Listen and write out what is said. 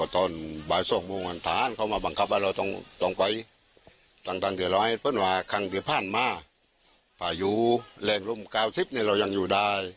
ต้องเราไม่มีความมั่นใจเพราะว่า